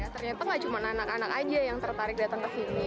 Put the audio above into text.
ternyata nggak cuma anak anak aja yang tertarik datang kesini